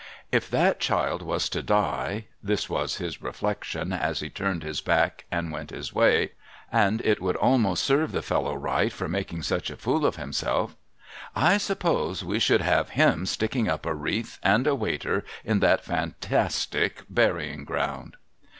' If that child was to die,' this was his reflection as he turned his back and went his way, —' and it would almost serve the fellow right for making such a fool of himself, — I suppose we should have him sticking up a wreath and a waiter in that fantastic burying ground.'